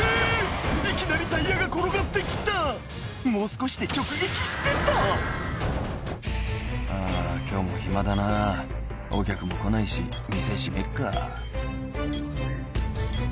いきなりタイヤが転がって来たもう少しで直撃してた「あ今日も暇だな」「お客も来ないし店閉めっか」